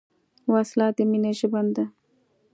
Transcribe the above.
وسله د مینې ژبه نه ده